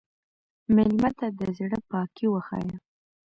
مېلمه ته د زړه پاکي وښیه.